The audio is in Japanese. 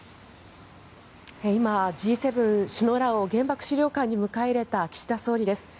今、Ｇ７首脳らを原爆資料館に迎え入れた岸田総理です。